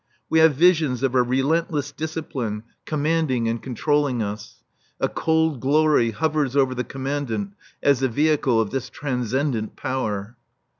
We have visions of a relentless discipline commanding and controlling us. A cold glory hovers over the Commandant as the vehicle of this transcendent power.